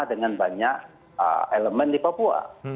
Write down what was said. dengan banyak elemen di papua